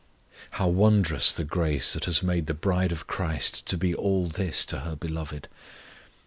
How wondrous the grace that has made the bride of CHRIST to be all this to her Beloved!